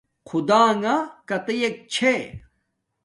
خُدݳ ݣݳ کتݵَک چھݺ؟